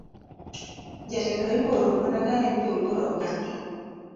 Jatelo iluoro mana ka en be oluoro oganda.